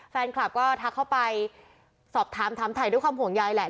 แฟนคลับก็ทักเข้าไปสอบถามถามถ่ายด้วยความห่วงใยแหละ